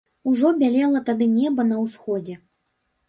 Ужо бялела тады неба на ўсходзе.